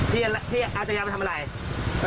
ที่อาจารยาไปทำอะไร